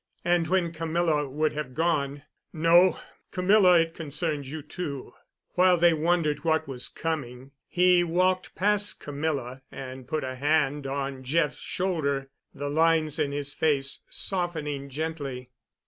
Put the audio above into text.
And, when Camilla would have gone, "No, Camilla, it concerns you, too." While they wondered what was coming he walked past Camilla and put a hand on Jeff's shoulder, the lines in his face softening gently.